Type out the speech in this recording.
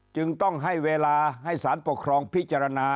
จึงต้องให้เวลาให้สารปกครองพิจารณา